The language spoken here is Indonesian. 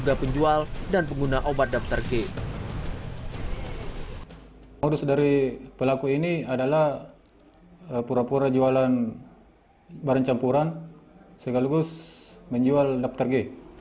dan mengamankan enam terduga penjual dan pengguna obat daftar g